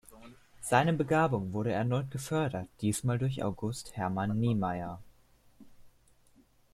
Seine Begabung wurde erneut gefördert, diesmal durch August Hermann Niemeyer.